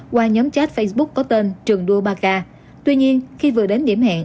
qua nhóm chat facebook có tên trường đua ba k tuy nhiên khi vừa đến điểm hẹn